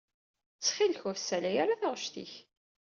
Ttxil-k ur salay ara taɣect-ik.